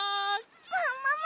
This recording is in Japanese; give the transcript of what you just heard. ももも！